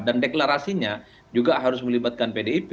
dan deklarasinya juga harus melibatkan pdip